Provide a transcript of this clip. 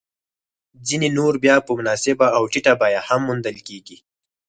ځیني نور بیا په مناسبه او ټیټه بیه هم موندل کېږي